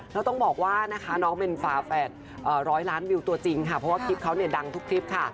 แล้วต้องบอกว่านะคะน้องเมนฟ้าแฝดร้อยล้านวิวตัวจริงค่ะเพราะว่าคลิปเขาเนี่ยดังทุกคลิปค่ะ